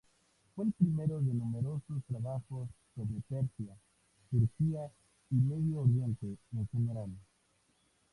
Fue el primero de numerosos trabajos sobre Persia, Turquía y Medio Oriente en general.